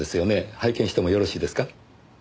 拝見してもよろしいですか？